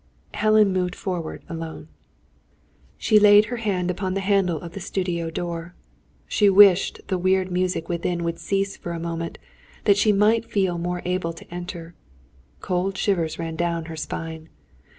Helen moved forward alone. She laid her hand upon the handle of the studio door. She wished the weird music within would cease for one moment, that she might feel more able to enter. Cold shivers ran down her spine.